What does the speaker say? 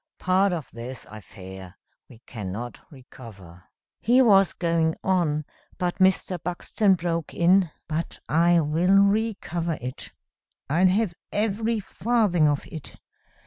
Part of this I fear we cannot recover" He was going on, but Mr. Buxton broke in: "But I will recover it. I'll have every farthing of it.